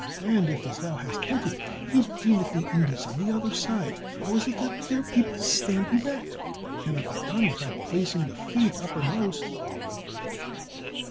and, if, as thou hast hinted, he deemeth the Indies on the other side, how is it that their people stand erect? — it cannot be done without placing the feet uppermost."